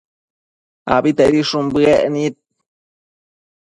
abitedishun bëec nid